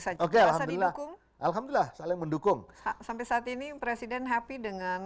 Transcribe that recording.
saja rasa didukung alhamdulillah saling mendukung sampai saat ini presiden happy dengan